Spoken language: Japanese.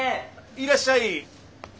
いらっしゃい！